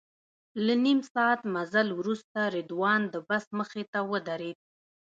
له نیم ساعت مزل وروسته رضوان د بس مخې ته ودرېد.